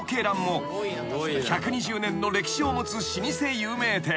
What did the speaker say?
［１２０年の歴史を持つ老舗有名店］